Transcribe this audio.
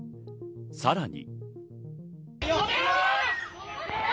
さらに。